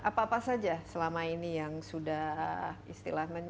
apa apa saja selama ini yang sudah istilah menurut anda